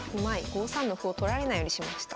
５三の歩を取られないようにしました。